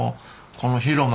この広間。